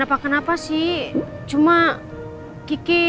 agak berisau aja gitu lomba mas jg ok